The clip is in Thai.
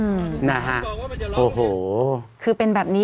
อืมนะฮะโอ้โหคือเป็นแบบนี้